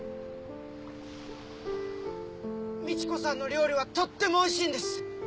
みち子さんの料理はとってもおいしいんです。